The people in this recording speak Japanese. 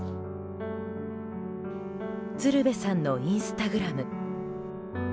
鶴瓶さんのインスタグラム。